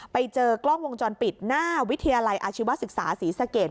ไปเจอกล้องวงจรปิดหน้าวิทยาลัยอาชีวศึกษาศรีสะเกด